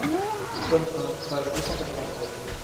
Tome un, page deux cent quatre-vingt-treize.